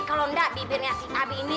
kalau enggak bibirnya si abi ini